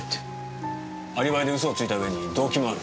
アリバイで嘘をついたうえに動機もある。